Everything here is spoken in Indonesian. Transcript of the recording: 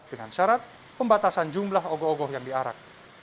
dengan syarat pembatasan jumlah ogoh ogoh yang diarak